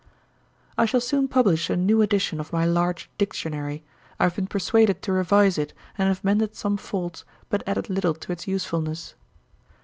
'I shall soon publish a new edition of my large Dictionary; I have been persuaded to revise it, and have mended some faults, but added little to its usefulness.